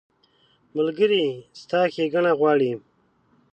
ملګری ستا ښېګڼه غواړي.